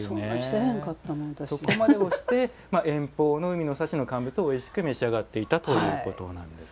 そこまでして遠方の海の幸をおいしく召し上がっていたということなんですね。